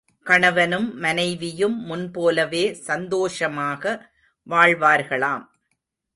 கணவனும் மனைவியும் முன்போலவே சந்தோஷமாக வாழ்வார்களாம்.